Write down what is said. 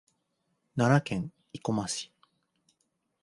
奈良県生駒市